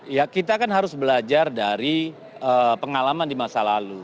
ya kita kan harus belajar dari pengalaman di masa lalu